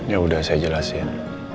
ya udah saya jelasin